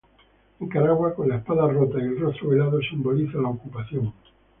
Nicaragua con la espada rota y el rostro velado simboliza la ocupación.